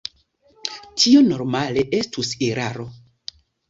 Tio normale estus eraro.